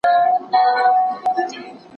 د فرانسې انقلاب څه وخت پیل سو؟